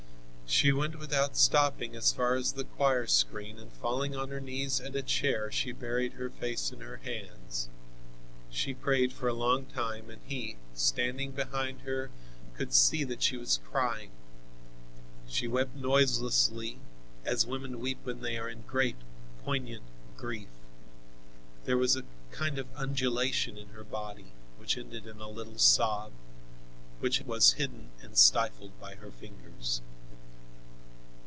She went, without stopping, as far as the choir screen, and falling on her knees at a chair, she buried her face in her hands. She prayed for a long time, and he, standing behind her could see that she was crying. She wept noiselessly, as women weep when they are in great, poignant grief. There was a kind of undulation in her body, which ended in a little sob, which was hidden and stifled by her fingers.